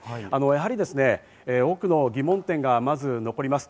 やはり多くの疑問点がまず残ります。